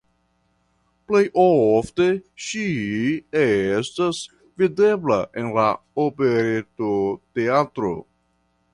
Plej ofte ŝi estas videbla en la Operetoteatro.